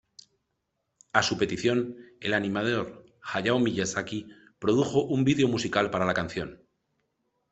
A su petición, el animador Hayao Miyazaki produjo un vídeo musical para la canción.